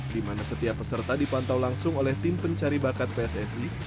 di mana setiap peserta dipantau langsung oleh tim pencari bakat pssi